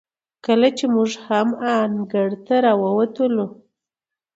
کله چې موږ هم انګړ ته راووتلو،